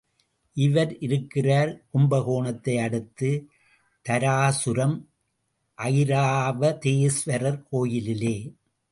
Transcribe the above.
இவர் இருக்கிறார், கும்ப கோணத்தை அடுத்த தாராசுரம் ஐராவதேஸ்வரர் கோயிலிலே.